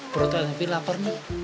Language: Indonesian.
perutnya edwin lapar nih